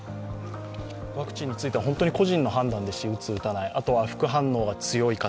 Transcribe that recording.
ワクチンについては本当に個人の判断ですし、打つ、打たない、あとは副反応が強い方